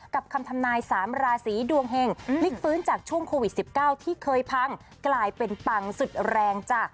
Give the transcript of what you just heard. กับคำทำนาย๓ราศีดวงเห็งพลิกฟื้นจากช่วงโควิด๑๙ที่เคยพังกลายเป็นปังสุดแรงจ้ะ